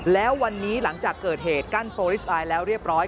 แล้ววันนี้หลังจากเกิดเหตุกั้นโปรลิสไอแล้วเรียบร้อย